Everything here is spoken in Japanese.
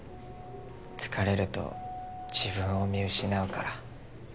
疲れると自分を見失うから。